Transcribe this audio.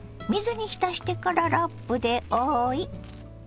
水に浸してからラップで覆い。